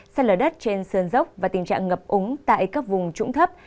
sạt lở đất trên sơn dốc và tình trạng ngập úng tại các vùng trũng thấp